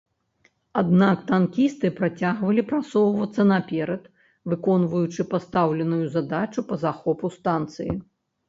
Аднак танкісты працягвалі прасоўвацца наперад, выконваючы пастаўленую задачу па захопу станцыі.